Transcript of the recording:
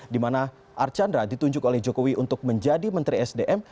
dimana archandra ditunjuk oleh jokowi untuk menjadi menteri sdm